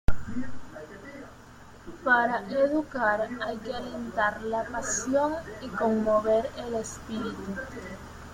Para educar hay que alentar la pasión y conmover el espíritu.